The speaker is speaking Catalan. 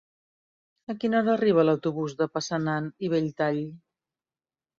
A quina hora arriba l'autobús de Passanant i Belltall?